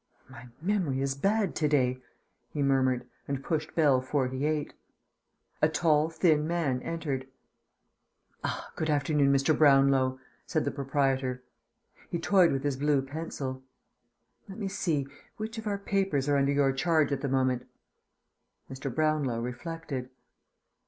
"My memory is bad to day," he murmured, and pushed bell "48." A tall thin man entered. "Ah, good afternoon, Mr. Brownlow," said the Proprietor. He toyed with his blue pencil. "Let me see, which of our papers are under your charge at the moment?" Mr. Brownlow reflected.